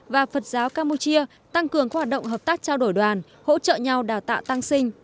và phật giáo campuchia tăng cường các hoạt động hợp tác trao đổi đoàn hỗ trợ nhau đào tạo tăng sinh